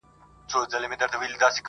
او چي غټ سي په ټولۍ کي د سیالانو،